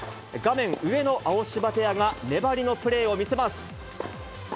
画面上のアオシバペアが、粘りのプレーを見せます。